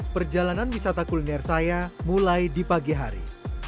perjalanan wisata kuliner saya mulai di pagi hari